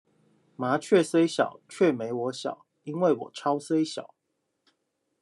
麻雀雖小卻沒我小，因為我超雖小